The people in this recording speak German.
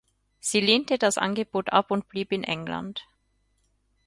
Sie lehnte das Angebot ab und blieb in England.